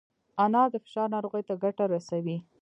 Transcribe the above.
انار د فشار ناروغۍ ته ګټه رسوي.